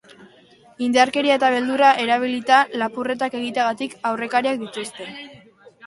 Indarkeria eta beldurra erabilita lapurretak egiteagatik aurrekariak dituzte.